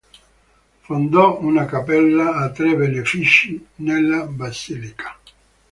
Fondò una cappella e tre benefici nella basilica.